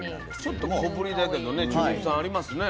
ちょっと小ぶりだけどね中国産ありますね。